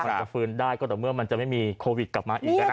จะฟื้นได้ก็ต่อเมื่อมันจะไม่มีโควิดกลับมาอีกแล้วนะ